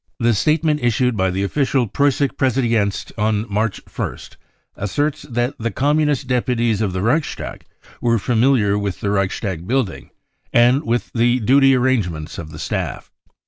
The statement issued by* the official Preussische Pressedienst • on March ist asserts that the Communist deputies of the Reichstag were familiar with the Reichstag building and with the duly arrangements of the staff.